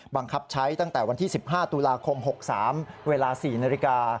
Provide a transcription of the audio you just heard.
บังคับใช้ตั้งแต่วันที่๑๕ตุลาคม๖๓เวลา๔นาฬิกา